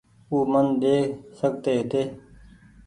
او من ڏي سڪتي هيتي